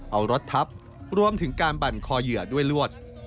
เอารถทับรวมถึงการบั่นคอเหยื่อด้วยลวด